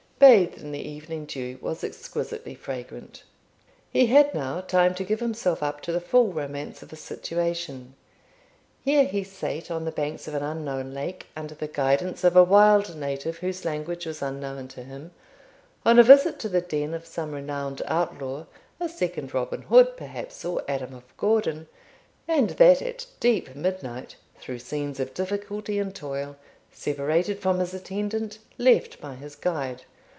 ] bathed in the evening dew, was exquisitely fragrant. He had now time to give himself up to the full romance of his situation. Here he sate on the banks of an unknown lake, under the guidance of a wild native, whose language was unknown to him, on a visit to the den of some renowned outlaw, a second Robin Hood, perhaps, or Adam o' Gordon, and that at deep midnight, through scenes of difficulty and toil, separated from his attendant, left by his guide.